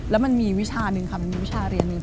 แล้วมันมีวิชาหนึ่งคำวิชาเรียนหนึ่ง